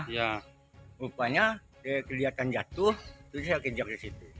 rupanya kelihatan jatuh terus saya kejar disitu